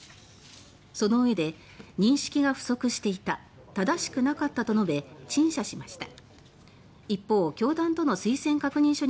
そのうえで「認識が不足していた正しくなかった」と述べ、陳謝しました。